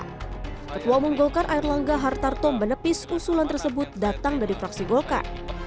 ketua umum golkar air langga hartarto menepis usulan tersebut datang dari fraksi golkar